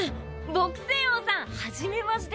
朴仙翁さんはじめまして。